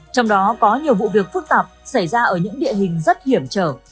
trong đó có nhiều vụ việc phức tạp xảy ra ở những địa hình rất hiểm trở